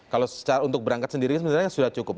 kalau untuk berangkat sendiri sebenarnya sudah cukup